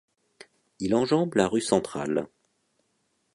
Il enjambe la rue Centrale.